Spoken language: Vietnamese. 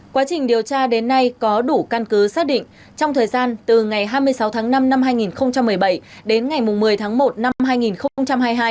quá trình điều tra đến nay có đủ căn cứ xác định trong thời gian từ ngày hai mươi sáu tháng năm năm hai nghìn một mươi bảy đến ngày một mươi tháng một năm hai nghìn hai mươi hai